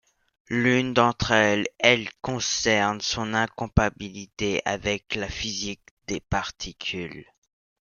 L'une d'entre elles concerne son incompatibilité avec la physique des particules.